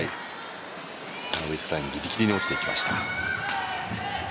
サービスライン、ぎりぎりに落ちていきました。